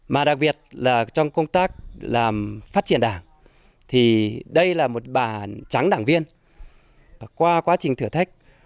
mà đặc biệt là trong công tác làm phát triển đảng thì đây là một bà trắng đảng viên và qua quá trình thử thách